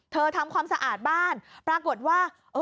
ทำความสะอาดบ้านปรากฏว่า